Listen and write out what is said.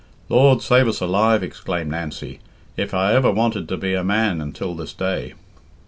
"Lord save us alive!" exclaimed Nancy. "If I ever wanted to be a man until this day!"